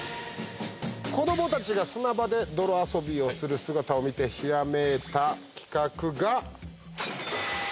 子供たちが砂場で泥遊びをする姿を見てひらめいた企画が。